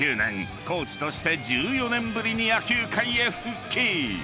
コーチとして１４年ぶりに野球界へ復帰］